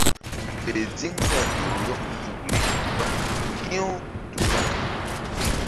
Fe ziŋna ƴo rɔk nzukri ɓa ŋgi̧ u tukala.